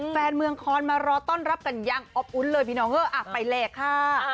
แฟนเมืองคอนมารอต้อนรับกันยังอบอุ้นเลยพี่น้องเว้อไปแลกค่ะ